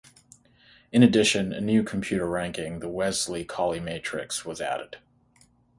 In addition, a new computer ranking, the Wesley Colley Matrix, was added.